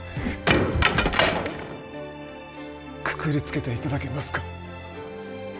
くくりつけて頂けますか？